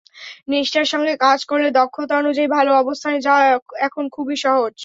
নিষ্ঠার সঙ্গে কাজ করলে দক্ষতা অনুযায়ী ভালো অবস্থানে যাওয়া এখন খুবই সহজ।